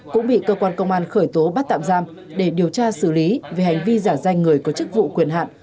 cũng bị cơ quan công an khởi tố bắt tạm giam để điều tra xử lý về hành vi giả danh người có chức vụ quyền hạn